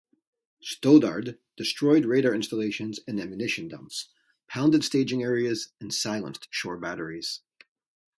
"Stoddard" destroyed radar installations and ammunition dumps, pounded staging areas, and silenced shore batteries.